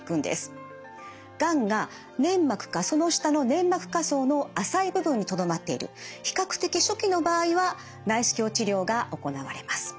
がんが粘膜かその下の粘膜下層の浅い部分にとどまっている比較的初期の場合は内視鏡治療が行われます。